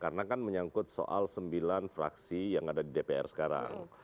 karena kan menyangkut soal sembilan fraksi yang ada di dpr sekarang